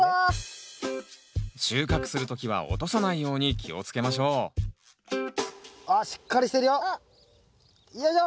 収穫する時は落とさないように気をつけましょうあっしっかりしてるよ。よいしょ！